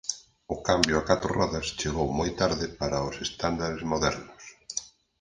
O cambio a catro rodas chegou moi tarde para os estándares modernos.